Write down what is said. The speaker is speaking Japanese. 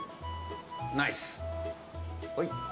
ナイス！